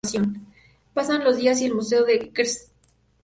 Pasan los días y el museo de cera ya es una gran atracción.